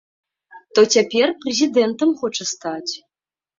То цяпер прэзідэнтам хоча стаць.